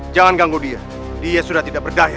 jangan ganggu dia dia sudah tidak berdaya